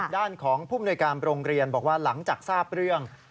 ด้านของผู้มนวยการโรงเรียนบอกว่าหลังจากทราบเรื่อง